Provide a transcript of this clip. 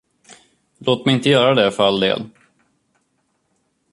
Låt mig inte göra det för all del.